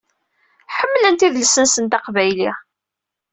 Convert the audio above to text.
Ḥemmlent idles-nsent aqbayli.